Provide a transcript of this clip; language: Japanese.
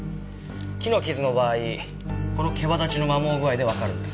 木の傷の場合この毛羽立ちの摩耗具合でわかるんです。